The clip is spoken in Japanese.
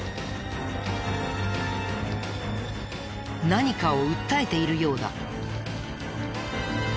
何かを訴えているようだ。